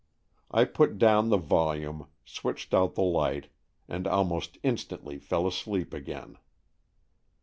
I put down the volume, switched out the light, and almost instantly fell asleep again.